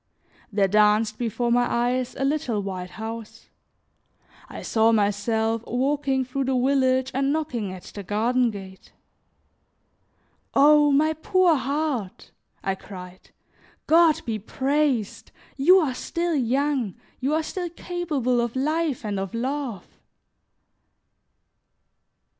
There danced before my eyes a little white house; I saw myself walking through the village and knocking at the garden gate. "Oh! my poor heart!" I cried. "God be praised, you are still young, you are still capable of life and of love!"